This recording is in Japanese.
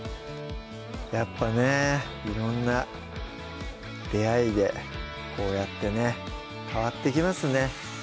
やっぱね色んな出会いでこうやってね変わっていきますね